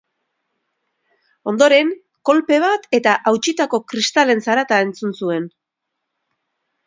Ondoren, kolpe bat eta hautsitako kristalen zarata entzun zuen.